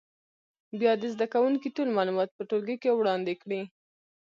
بیا دې زده کوونکي ټول معلومات په ټولګي کې وړاندې کړي.